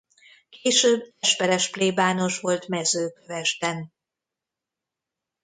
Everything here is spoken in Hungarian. Később esperes-plébános volt Mezőkövesden.